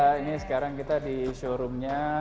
ini sekarang kita di showroomnya